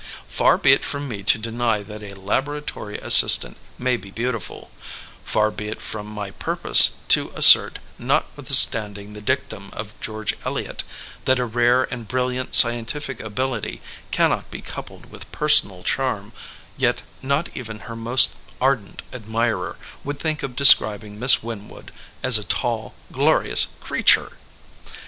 Far be it from me to deny that a laboratory assistant may be beautiful ; far be it from my purpose to assert, notwithstanding the dictum of George Eliot, that a rare and brilliant scientific ability can not be coupled with personal charm, yet not even her most ardent admirer would think of describing Miss Winwood as a tall, glorious creature!